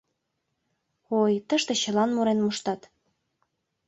Ой, тыште чылан мурен моштат.